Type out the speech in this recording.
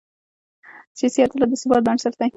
سیاسي عدالت د ثبات بنسټ دی